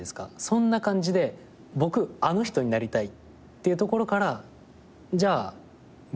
そんな感じで僕あの人になりたいっていうところから「じゃあ芸能界だ」って親が。